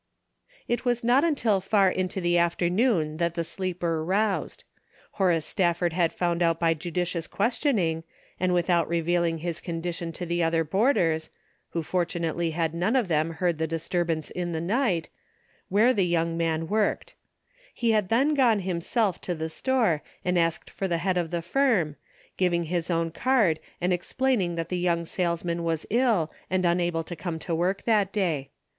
It was not until far into the afternoon that the sleeper roused. Horace Stafford had found out by judicious questioning, and without re vealing his condition to the other boarders (who fortunately had none of them heard the disturbance in the night), where the young 186 DAILY BATE:^ man worked. He had then gone himself to the store, and asked for the head of the firm, giving his own card and explaining that the young salesman was ill, and unable to come to work that day.